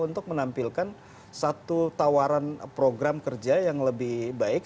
untuk menampilkan satu tawaran program kerja yang lebih baik